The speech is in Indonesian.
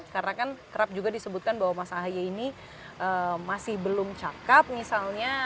karena kan kerap juga disebutkan bahwa mas ahy ini masih belum cakep misalnya